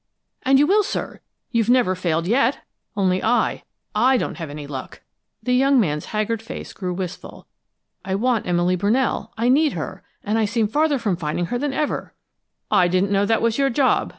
"And you will, sir; you've never failed yet! Only I I don't have any luck!" The young man's haggard face grew wistful. "I want Emily Brunell; I need her and I seem farther from finding her than ever!" "I didn't know that was your job!"